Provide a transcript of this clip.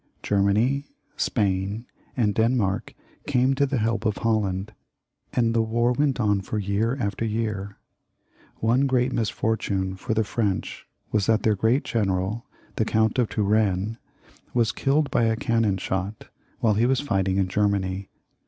Germany, Spain, and Denmark came to the help of Holland, and the war went on for year after year. One great misfortune for the French was that their great general, the Count of Turenne, was killed by a cannpn shot while he was fighting in Germany.